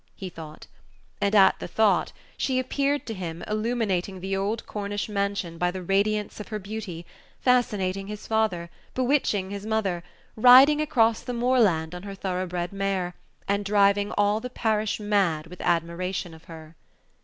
he thought; and at the thought she appeared to him illuminating the old Cornish mansion by the radiance of her beauty, fascinating his father, bewitching his mother, riding across the moorland on her thorough bred mare, and driving all the parish mad with admiration of her.